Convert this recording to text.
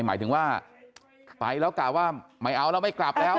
หมายถึงว่าไปแล้วกะว่าไม่เอาแล้วไม่กลับแล้ว